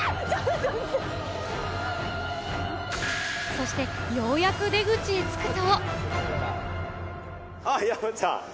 そして、ようやく出口へ着くと。